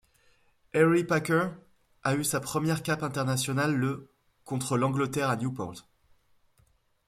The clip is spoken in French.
Harry Packer a eu sa première cape internationale le contre l'Angleterre à Newport.